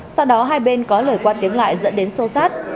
sau đó hai bên có lời qua tiếng lại dẫn đến xô xát